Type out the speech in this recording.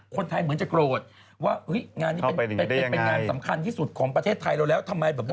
คนไทยเหมือนจะโกรธว่างานนี้เป็นงานสำคัญที่สุดของประเทศไทยเราแล้วทำไมแบบ